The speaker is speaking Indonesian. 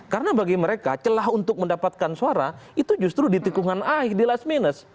karena bagi mereka celah untuk mendapatkan suara itu justru di tikungan air di last minutes